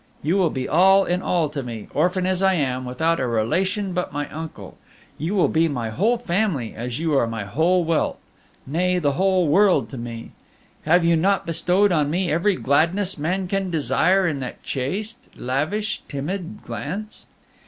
you will be all in all to me, orphan as I am, without a relation but my uncle. You will be my whole family, as you are my whole wealth, nay, the whole world to me. Have you not bestowed on me every gladness man can desire in that chaste lavish timid glance?